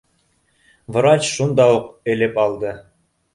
Врач шунда уҡ элеп алды: